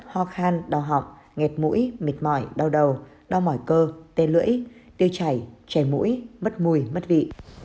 hoa khan đau họng nghẹt mũi mệt mỏi đau đầu đau mỏi cơ tên lưỡi tiêu chảy chảy mũi mất mùi mất vị